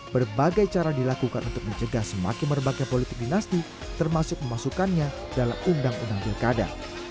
berbagai cara dilakukan untuk mencegah semakin merbagai politik dinasti termasuk memasukkannya dalam undang undang pilkada